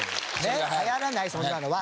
はやらないそんなのは。